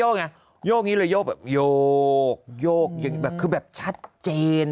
ไงโยกนี้เลยโยกแบบโยกโยกอย่างแบบคือแบบชัดเจน